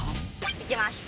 いきます